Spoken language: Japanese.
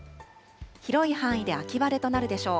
広い範囲で秋晴れとなるでしょう。